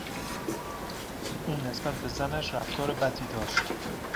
او نسبت به زنش رفتار بدی داشت.